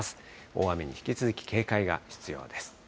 大雨に引き続き警戒が必要です。